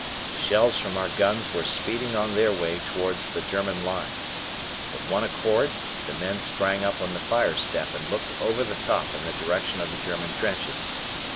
The shells from our guns were speeding on their way toward the German lines. With one accord the men sprang up on the fire step and looked over the top in the direction of the German trenches.